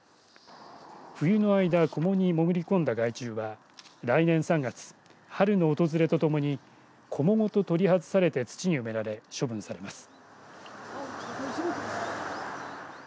冬の間こもに潜り込んだ害虫は来年３月、春の訪れとともにこもごと取り外されて土に埋められ処分されます。